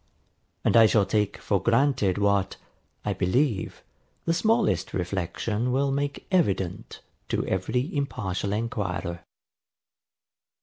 And I shall take for granted what, I believe, the smallest reflection will make evident to every impartial enquirer.